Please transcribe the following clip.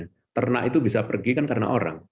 karena peternak itu bisa pergi karena orang